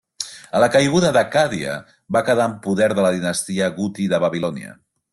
A la caiguda d'Accàdia, va quedar en poder de la dinastia guti de Babilònia.